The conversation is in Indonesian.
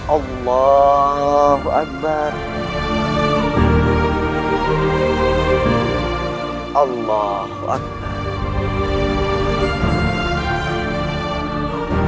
allah akbar allah akbar